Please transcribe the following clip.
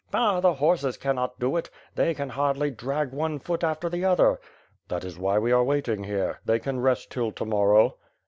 "Bah, the horses cannot do it." They can hardly drag one foot after the other." "That is why we ere waiting here. They can rest till to morrow."